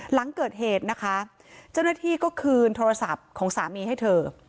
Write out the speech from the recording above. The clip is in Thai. หลังเกิดเหตุนะคะเจ้าหน้าที่ก็คืนโทรศัพท์ของสามีให้เธอ